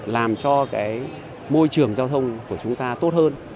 làm cho cái môi trường giao thông của chúng ta tốt hơn